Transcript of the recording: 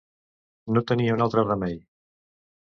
No tenia un altre remei.